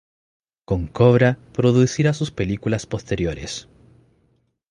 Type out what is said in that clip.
Con Cobra producirá sus películas posteriores.